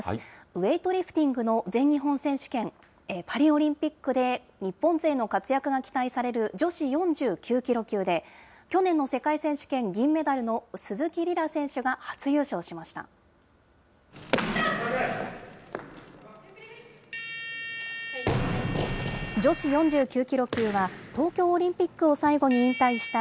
ウエイトリフティングの全日本選手権、パリオリンピックで日本勢の活躍が期待される女子４９キロ級で、去年の世界選手権銀メダルの鈴木梨羅選手が初優勝しました。